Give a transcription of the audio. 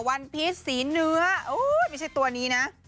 วันพีชสีเนื้อไม่ใช่ตัวนี้นะ